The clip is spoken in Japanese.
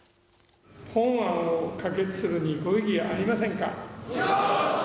本案を可決するにご異議ありませんか。